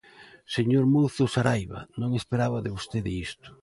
Señor Mouzo Saraiba, non esperaba de vostede isto.